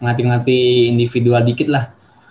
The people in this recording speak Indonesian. nah jadi dia kayaknya lebih dari individuan dikit lah